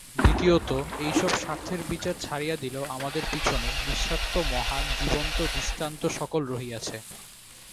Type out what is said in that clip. দ্বিতীয়ত এইসব স্বার্থের বিচার ছাড়িয়া দিলেও আমাদের পিছনে নিঃস্বার্থ মহান জীবন্ত দৃষ্টান্তসকল রহিয়াছে।